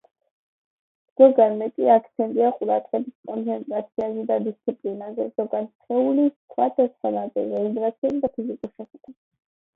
ზოგან მეტი აქცენტია ყურადღების კონცენტრაციაზე და დისციპლინაზე, ზოგან სხეულის სხვადასხვა ნაწილზე, ვიბრაციაზე, ფიზიკურ შეხებაზე.